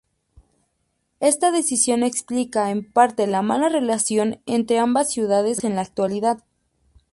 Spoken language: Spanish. Esta decisión explica en parte la mala relación entre ambas ciudades en la actualidad.